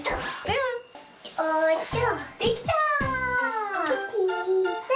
できた！